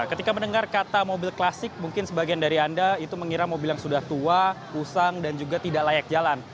ketika mendengar kata mobil klasik mungkin sebagian dari anda itu mengira mobil yang sudah tua usang dan juga tidak layak jalan